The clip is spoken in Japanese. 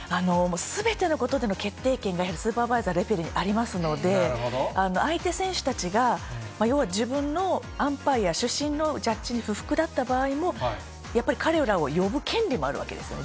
すべてのことでの決定権がやはりスーパーバイザー、レフェリーにありますので、相手選手たちが、要は自分のアンパイヤー、主審のジャッジに不服だった場合も、やっぱり彼らを呼ぶ権利もあるわけですよね。